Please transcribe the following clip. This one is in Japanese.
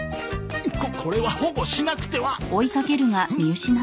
ここれは保護しなくては。